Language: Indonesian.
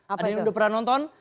ada yang udah pernah nonton